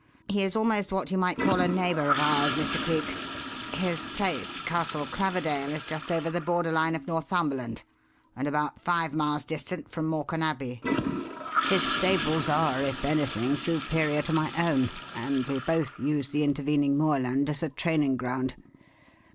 He is almost what you might call a neighbour of ours, Mr. Cleek. His place, Castle Claverdale, is just over the border line of Northumberland and about five miles distant from Morcan Abbey. His stables are, if anything, superior to my own; and we both use the intervening moorland as a training ground.